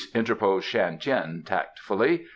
interposed Shan Tien tactfully.